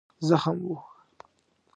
زخم و.